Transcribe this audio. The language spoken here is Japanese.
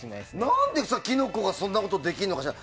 なんでキノコがそんなことできるのかしら。